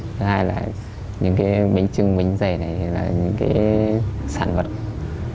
thứ hai là những cái bánh trưng bánh dày này là những cái đặc sản yêu thích của nhiều người khi đến đây